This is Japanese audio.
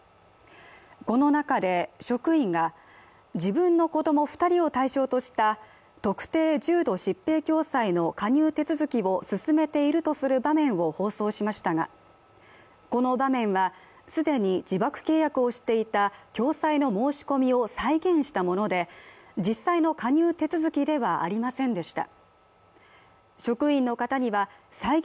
この中で職員が、自分の子供２人を対象とした特定重度疾病共済の加入手続きを進めているとする場面を放送しましたが、この場面は、既に自爆契約をしていた共済の申し込みを再現したもので、実際の加入手続きではありませんでした。